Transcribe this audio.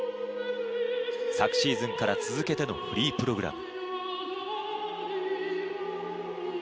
昨シーズンから続けてのフリープログラム。